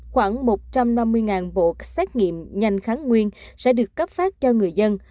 khoảng một trăm năm mươi bộ xét nghiệm nhanh kháng nguyên sẽ được cấp phát cho người dân